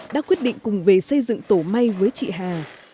đã quyết định cùng về xây dựng tổ may với chị hà